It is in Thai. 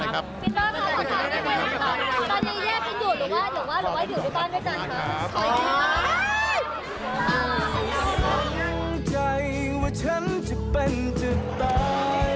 มั่นใจว่าฉันจะเป็นจะตาย